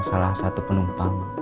salah satu penumpang